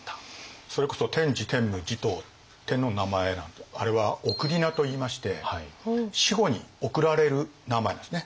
それこそ天智天武持統天皇の名前なんてあれは諡といいまして死後におくられる名前ですね。